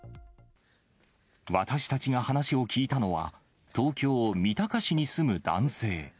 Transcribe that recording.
私たちが話を聞いたのは、東京・三鷹市に住む男性。